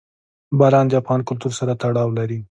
باران د افغان کلتور سره تړاو لري.